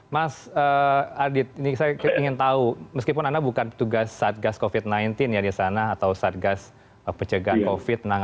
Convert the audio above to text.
mas adit ini saya ingin tahu meskipun anda bukan petugas satgas covid sembilan belas ya di sana atau satgas pencegahan covid sembilan belas